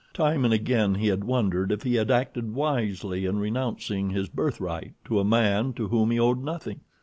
Time and again he had wondered if he had acted wisely in renouncing his birthright to a man to whom he owed nothing.